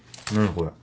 これ。